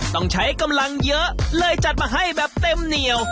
ต้องใช้กำลังเยอะเลยจัดมาให้แบบเต็มเหนียว